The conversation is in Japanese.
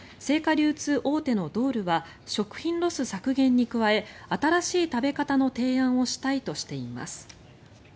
流通大手のドールは食品ロス削減に加え新しい食べ方の提案をしたいとしています。